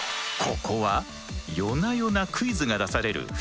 ここは夜な夜なクイズが出される不思議な館。